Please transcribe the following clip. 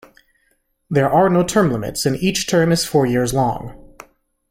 There are no term limits, and each term is four years long.